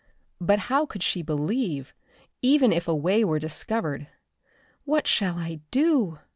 But how could she believe, even if a way were discovered? "What shall I do?"